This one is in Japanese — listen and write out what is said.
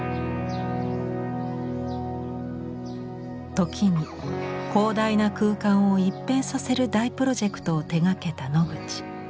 時に広大な空間を一変させる大プロジェクトを手がけたノグチ。